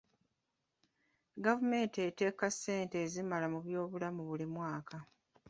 Gavumenti eteeka ssente ezimala mu byobulamu buli mwaka.